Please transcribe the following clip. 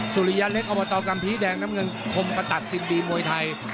สุริยะเล็กเอามาต่อกับพีทแดงน้ำเงินคมประตัดซิมบีนมวยไทย